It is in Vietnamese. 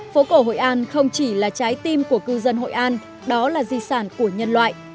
phố cổ hội an không chỉ là trái tim của cư dân hội an đó là di sản của nhân loại